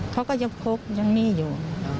เขาก็ยังพกยังหนี้อยู่